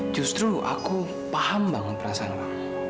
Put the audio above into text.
justru aku paham banget perasaan nara